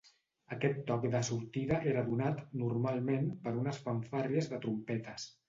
Aquest toc de sortida era donat, normalment, per unes fanfàrries de trompetes.